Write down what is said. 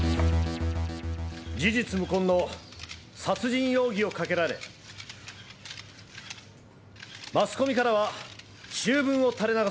事実無根の殺人容疑をかけられマスコミからは醜聞を垂れ流され。